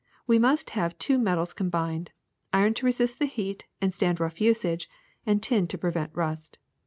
We must have two metals combined: iron to resist heat and stand rough usage, and tin to prevent rust.